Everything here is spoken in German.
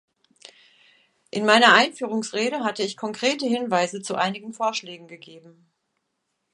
Ich meiner Einführungsrede hatte ich konkrete Hinweise zu einigen Vorschlägen gegeben.